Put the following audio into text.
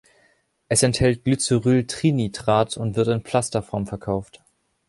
Es enthält Glyceryltrinitrat und wird in Pflasterform verkauft.